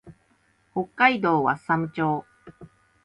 北海道和寒町